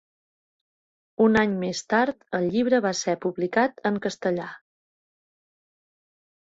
Un any més tard el llibre va ser publicat en castellà.